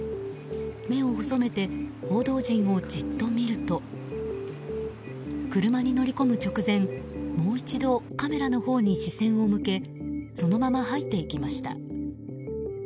目を細めて報道陣をじっと見ると車に乗り込む直前、もう一度カメラのほうに視線を向けそのまま入っていきました。